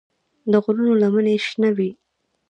د غرونو لمنې شنه وې.